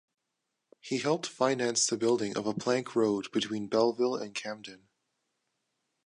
He helped finance the building of a plank road between Belleville and Camden.